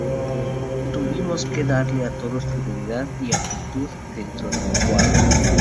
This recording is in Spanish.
Tuvimos que darle a todos prioridad y amplitud dentro del cuadro.